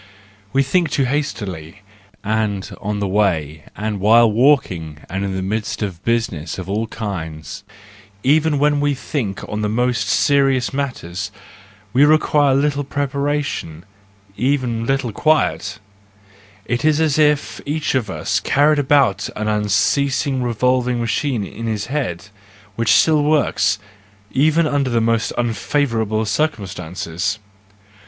We think too hastily and on the way and while walking and in the midst of business of all kinds, even when we think on the most serious matters ; we require little preparation, even little quiet:—it is as if each of us carried about an unceasingly revolving machine in his head, which still works, even under the most unfavourable cir¬ cumstances.